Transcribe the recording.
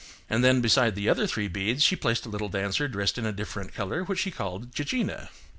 And then beside the other three beads she placed a little dancer dressed in a different colour, which she called "Gigina."